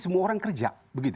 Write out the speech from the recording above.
semua orang kerja